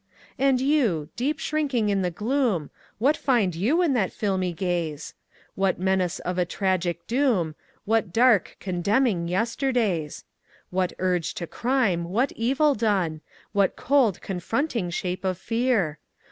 And You, deep shrinking in the gloom, What find you in that filmy gaze? What menace of a tragic doom? What dark, condemning yesterdays? What urge to crime, what evil done? What cold, confronting shape of fear?